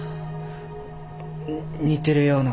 似てるような。